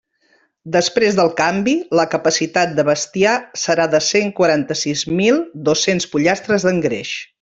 Després del canvi, la capacitat de bestiar serà de cent quaranta-sis mil dos-cents pollastres d'engreix.